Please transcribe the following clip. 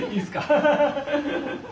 ハハハハハ！